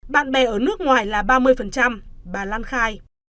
bạn bè ở nước ngoài là ba mươi bà lan khai